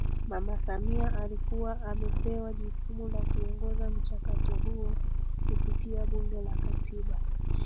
Mama Samia alikuwa amepewa jukumu la kuongoza mchakato huo kupitia Bunge la Katiba